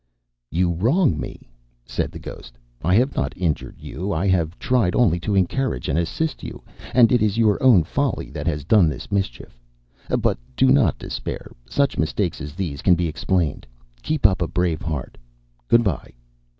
"You wrong me," said the ghost. "I have not injured you. I have tried only to encourage and assist you, and it is your own folly that has done this mischief. But do not despair. Such mistakes as these can be explained. Keep up a brave heart. Good by."